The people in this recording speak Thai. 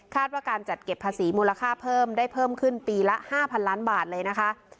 ว่าการจัดเก็บภาษีมูลค่าเพิ่มได้เพิ่มขึ้นปีละ๕๐๐ล้านบาทเลยนะคะ